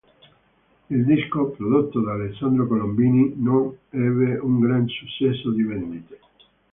Il disco, prodotto da Alessandro Colombini, non ebbe un gran successo di vendite.